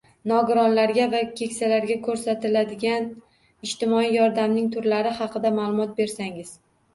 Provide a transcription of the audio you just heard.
Nogironlarga va keksalarga ko‘rsatiladigan ijtimoiy yordamning turlari haqida ma’lumot bersangiz?